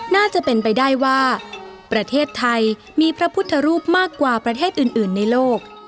น่าจะเป็นไปได้ว่าประเทศไทยมีพระพุทธรูปมากกว่าประเทศอื่นในโลก